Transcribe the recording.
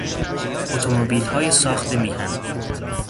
اتومبیلهای ساخت میهن